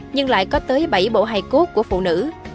nhưng lại có tới bảy bộ hài cốt của phụ nữ